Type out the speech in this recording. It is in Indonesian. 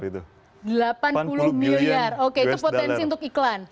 oke itu potensi untuk iklan